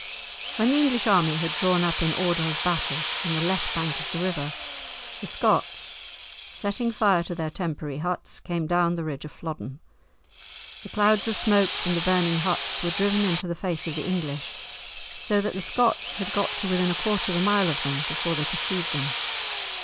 When the English army had drawn up in order of battle on the left bank of the river, the Scots, setting fire to their temporary huts, came down the ridge of Flodden. The clouds of smoke from the burning huts were driven into the face of the English, so that the Scots had got to within a quarter of a mile of them before they perceived them.